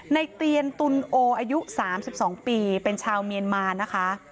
ในเตียนตุลโออายุสามสิบสองปีเป็นชาวเมียนมานะคะ